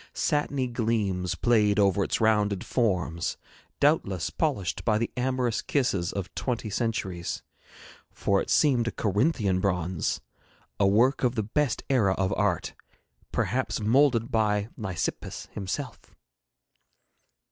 Satiny gleams played over its rounded forms, doubtless polished by the amorous kisses of twenty centuries, for it seemed a Corinthian bronze, a work of the best era of art, perhaps moulded by Lysippus himself.